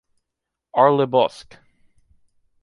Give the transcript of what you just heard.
Arlebosc.